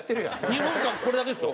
２分間これだけですよ。